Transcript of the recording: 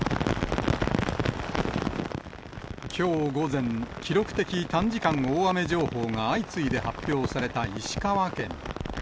きょう午前、記録的短時間大雨情報が相次いで発表された石川県。